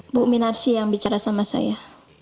ibu minarsi yang bicara sama saya